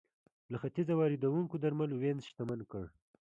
له ختیځه واردېدونکو درملو وینز شتمن کړ.